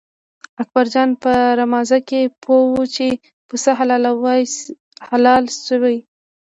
اکبر جان په رمازه کې پوهوه چې پسه حلال شوی.